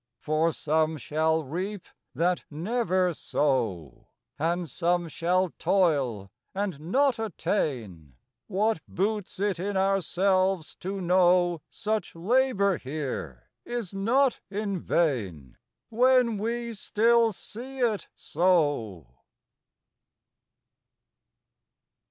For some shall reap that never sow; And some shall toil and not attain, What boots it in ourselves to know Such labor here is not in vain, When we still see it so!